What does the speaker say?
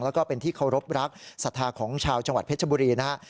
แล้วก็เป็นที่เคารพรักศรัทธาของชาวจังหวัดเพชรบุรีนะฮะ